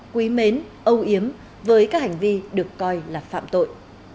quý mến âu yếm với các hành vi được coi là phạm tội